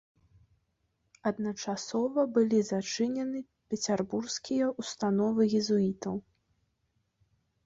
Адначасова былі зачынены пецярбургскія ўстановы езуітаў.